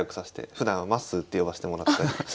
ふだんはまっすーって呼ばせてもらってます。